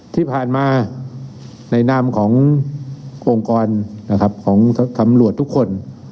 ที่ผ่านมาในนามขององค์กรของตำรวจทุกคน